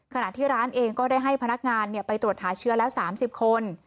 ขณะที่ร้านเองก็ได้ให้พนักงานไปตรวจหาเชื้อแล้ว๓๐คน